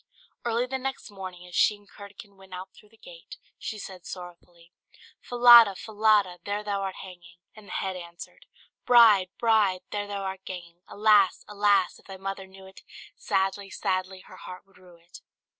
Early the next morning, as she and Curdken went out through the gate, she said sorrowfully "Falada, Falada, there thou art hanging!" and the head answered "Bride, bride, there thou art ganging! Alas! alas! if thy mother knew it, Sadly, sadly her heart would rue it."